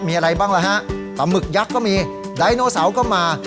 มีอะไรบ้างล่ะฮะปลาหมึกยักษ์ก็มีไดโนเสาร์ก็มา